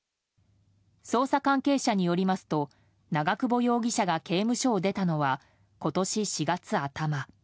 捜査関係者によりますと長久保容疑者が刑務所を出たのは今年４月頭。